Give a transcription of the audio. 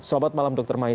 selamat malam dr mahesa